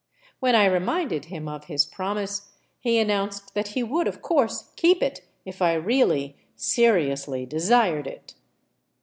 When I reminded him of his promise, he announced that he would, of course, keep it, if I really, seriously desired it.